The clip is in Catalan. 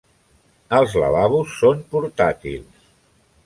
Els lavabos són portàtils.